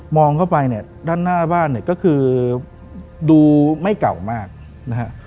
เข้าไปเนี่ยด้านหน้าบ้านเนี่ยก็คือดูไม่เก่ามากนะฮะ